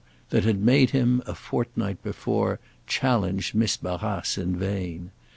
that had made him, a fortnight before, challenge Miss Barrace in vain.